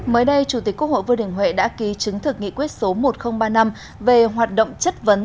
mới đây chủ tịch quốc hội vương đình huệ đã ký chứng thực nghị quyết số một nghìn ba mươi năm về hoạt động chất vấn